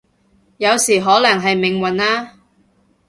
有時可能係命運啦